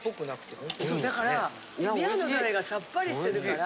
そうだから宮のたれがさっぱりしてるから。